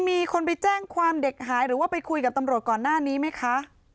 มีคนไปแจ้งความเด็กหายหรือว่าไปคุยกับตำรวจก่อนหน้านี้ไหมคะ